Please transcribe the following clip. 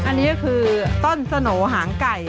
อันนี้ก็คือต้นสโหน่หางไก่